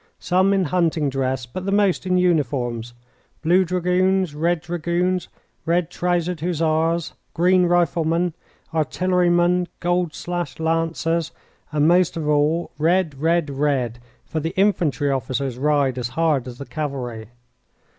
Some in hunting dress, but the most in uniforms: blue dragoons, red dragoons, red trousered hussars, green riflemen, artillerymen, gold slashed lancers, and most of all red, red, red, for the infantry officers ride as hard as the cavalry.